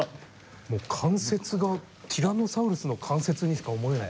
もう関節がティラノサウルスの関節にしか思えない。